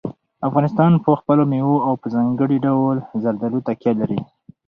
افغانستان په خپلو مېوو او په ځانګړي ډول زردالو تکیه لري.